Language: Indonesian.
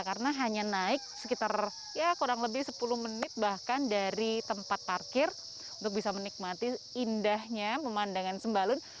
karena hanya naik sekitar ya kurang lebih sepuluh menit bahkan dari tempat parkir untuk bisa menikmati indahnya pemandangan sembalun